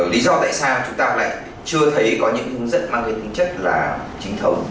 lý do tại sao chúng ta lại chưa thấy có những hướng dẫn mang cái tính chất là chính thống